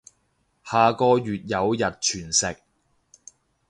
下個月有日全食